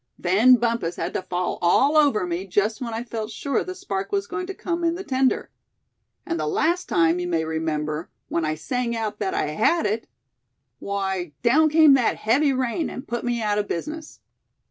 Then Bumpus had to fall all over me just when I felt sure the spark was going to come in the tinder. And the last time, you may remember, when I sang out that I had it, why, down came that heavy rain, and put me out of business."